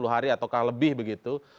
enam puluh hari ataukah lebih begitu